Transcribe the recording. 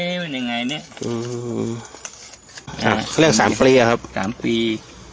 เป็นยังไงเนี้ยอืมอ่าเรื่องสามปีหรอครับสามปี